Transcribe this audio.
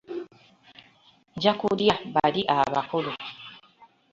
Nja kulya bali abakulu